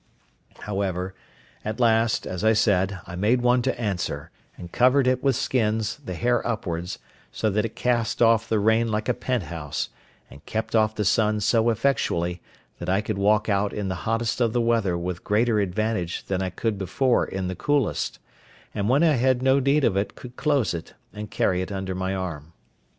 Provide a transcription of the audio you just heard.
However, at last, as I said, I made one to answer, and covered it with skins, the hair upwards, so that it cast off the rain like a pent house, and kept off the sun so effectually, that I could walk out in the hottest of the weather with greater advantage than I could before in the coolest, and when I had no need of it could close it, and carry it under my arm.